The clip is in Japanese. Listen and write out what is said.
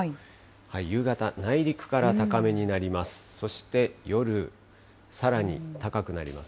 夕方、内陸から高めになります。